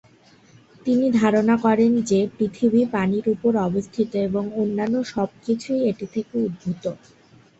তিনি ধারণা করেন যে, পৃথিবী পানির উপর অবস্থিত এবং অন্যান্য সব কিছুই এটি থেকে উদ্ভূত।